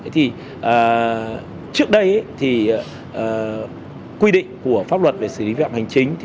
trước đây thì quy định của pháp luật về xử lý vi phạm hành chính